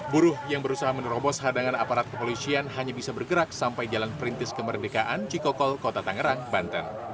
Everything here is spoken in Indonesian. buruh yang berusaha menerobos hadangan aparat kepolisian hanya bisa bergerak sampai jalan perintis kemerdekaan cikokol kota tangerang banten